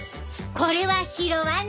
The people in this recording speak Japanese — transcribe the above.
これは拾わな。